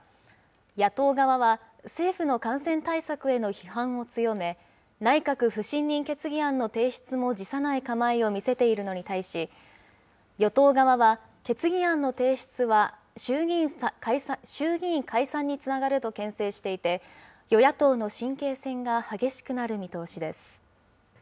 野党側は、政府の感染対策への批判を強め、内閣不信任決議案の提出も辞さない構えを見せているのに対し、与党側は、決議案の提出は衆議院解散につながるとけん制していて、与野党の神経戦が激しくなる見通しです。